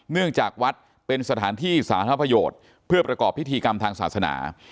เนื่องจากวัดเป็นสถานที่สาธารณประโยชน์เพื่อประกอบพิธีกรรมทางศาสนา